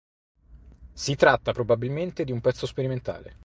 Si tratta probabilmente di un pezzo sperimentale.